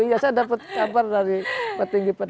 ya saya dapat kabar dari petinggi petinggi nasdem itu